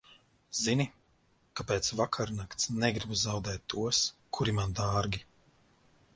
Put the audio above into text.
Zini, ka pēc vakarnakts negribu zaudēt tos, kuri man dārgi.